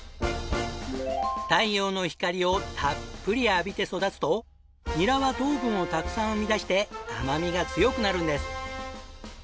太陽の光をたっぷり浴びて育つとニラは糖分をたくさん生み出して甘みが強くなるんです。